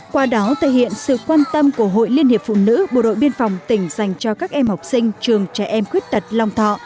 qua đó thể hiện sự quan tâm của hội liên hiệp phụ nữ bộ đội biên phòng tỉnh dành cho các em học sinh trường trẻ em khuyết tật long thọ